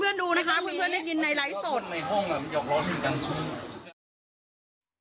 เพื่อนดูนะคะเพื่อนได้ยินในไลฟ์ส่วน